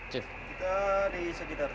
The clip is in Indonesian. kita di sekitar sini